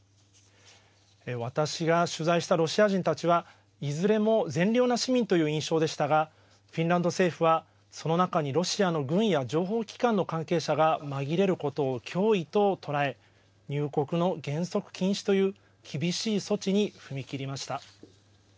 私が取材したロシア人たちはいずれも善良な市民という印象でしたがフィンランド政府は、その中にロシアの軍や情報機関の関係者が紛れることを脅威と捉え入国の原則禁止という厳しい措置に踏み切りました。